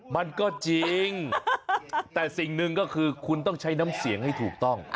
มันก็จริงแต่สิ่งหนึ่งก็คือคุณต้องใช้น้ำเสียงให้ถูกต้อง